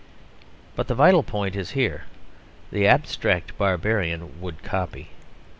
But the vital point is here. The abstract barbarian would copy.